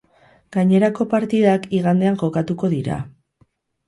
Gainerako partidak igandean jokatuko dira.